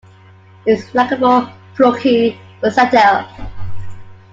He's likable, plucky, versatile.